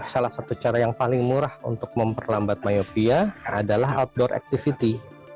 salah satu cara yang paling murah untuk memperlambat mayofia adalah outdoor activity